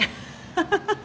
ハハハハ！